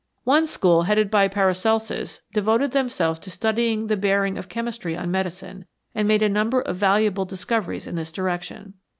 One school, headed by Paracelsus, devoted themselves to studying the bearing of chemistry on medicine, and made a number of valuable discoveries in this direction.